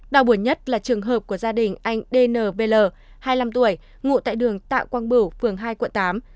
đau buồn nhất là trường hợp của gia đình anh dn hai mươi năm tuổi ngụ tại đường tạ quang bửu phường hai quận tám